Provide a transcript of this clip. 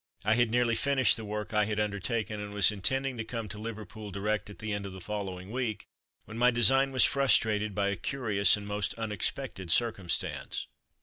I had nearly finished the work I had undertaken, and was intending to come to Liverpool direct at the end of the following week, when my design was frustrated by a curious and most unexpected circumstance.